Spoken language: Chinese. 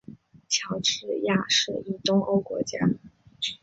乔治亚是一东欧国家。